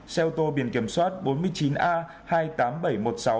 xe ô tô biển kiểm soát bốn mươi chín a hai mươi tám nghìn bảy trăm một mươi sáu